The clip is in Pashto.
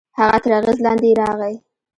هغه تر اغېز لاندې يې راغی.